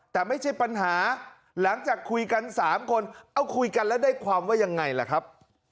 แต่ไม่ใช่ปัญหาหลังจากคุยกัน๓คนเอาคุยกันแล้วได้ความว่ายังไงล่ะครับ